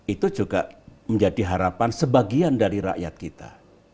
itu juga menjadi harapan sebagian dari rakyat kita